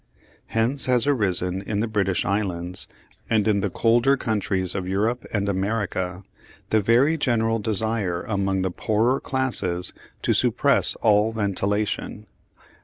Hence has arisen in the British Islands, and in the colder countries of Europe and America, the very general desire among the poorer classes to suppress all ventilation.